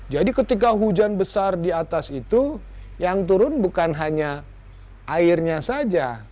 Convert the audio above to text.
jadi ketika hujan besar di atas itu yang turun bukan hanya airnya saja